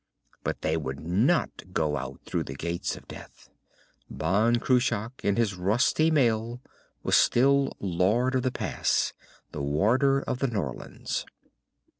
But they would not go out through the Gates of Death. Ban Cruach in his rusty mail was still lord of the pass, the warder of the Norlands.